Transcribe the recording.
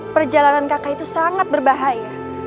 perjalanan kakak itu sangat berbahaya